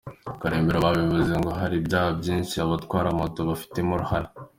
Karemera babivuze ngo hari ibyaha byinshi abatwara moto bafitemo uruhare.